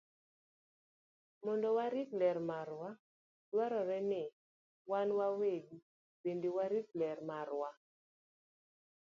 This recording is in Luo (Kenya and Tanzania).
Mondo warit ler marwa, dwarore ni wan wawegi bende warit ler marwa.